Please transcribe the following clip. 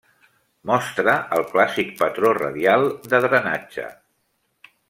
Mostra el clàssic patró radial de drenatge.